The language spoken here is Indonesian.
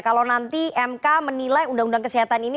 kalau nanti mk menilai undang undang kesehatan ini